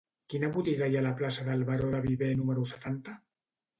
Quina botiga hi ha a la plaça del Baró de Viver número setanta?